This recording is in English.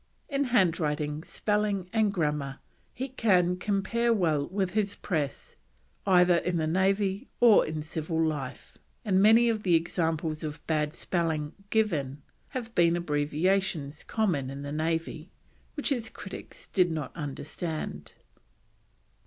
In handwriting, spelling, and grammar he can compare well with his press either in the Navy or civil life; and many of the examples of bad spelling given have been abbreviations common in the Navy, which his critics did not understand.